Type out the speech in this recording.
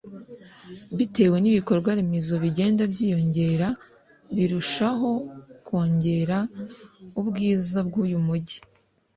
bitewe n’ibikorwaremezo bigenda byiyongera birushaho kongera ubwiza bw’uyu mujyi